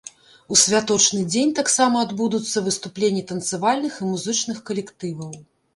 У святочны дзень таксама адбудуцца выступленні танцавальных і музычных калектываў.